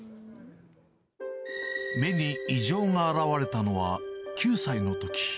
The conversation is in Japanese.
目に異常が現れたのは９歳のとき。